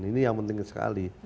ini yang penting sekali